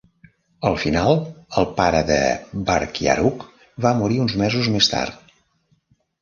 Al final, el pare de Barkyaruq va morir uns mesos més tard.